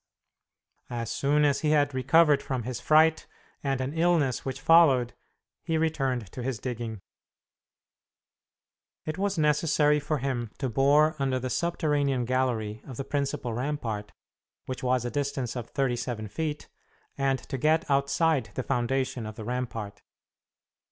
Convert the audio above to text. As soon as he had recovered from his fright and an illness which followed, he returned to his digging. It was necessary for him to bore under the subterranean gallery of the principal rampart, which was a distance of thirty seven feet, and to get outside the foundation of the rampart.